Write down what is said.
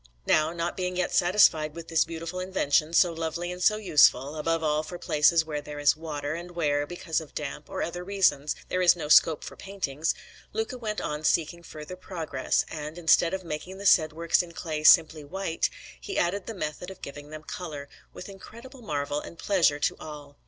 Now, not being yet satisfied with this beautiful invention so lovely and so useful, above all for places where there is water, and where, because of damp or other reasons, there is no scope for paintings Luca went on seeking further progress, and, instead of making the said works in clay simply white, he added the method of giving them colour, with incredible marvel and pleasure to all.